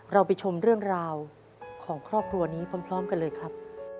เราไปชมเรื่องราวของครอบครัวนี้พร้อมกันเลยครับ